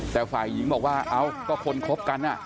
แต่ฝ่ายหญิงบอกว่าเอ้าก็คนคบกัน